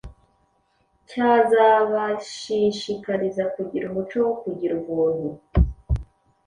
cyazabashishikariza kugira umuco wo kugira ubuntu.